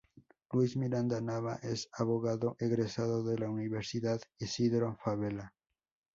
Luis Miranda Nava es abogado egresado de la Universidad Isidro Fabela.